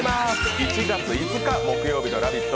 １月５日木曜日の「ラヴィット！」